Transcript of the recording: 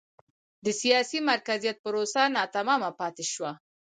د سیاسي مرکزیت پروسه ناتمامه پاتې شوه.